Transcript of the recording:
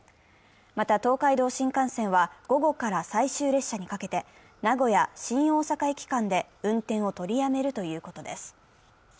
また東海道新幹線は、午後から最終列車にかけて名古屋−新大阪駅間で運転を取りやめるということです。